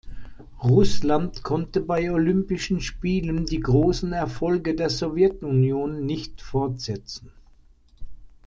Russland konnte bei Olympischen Spielen die großen Erfolge der Sowjetunion nicht fortsetzen.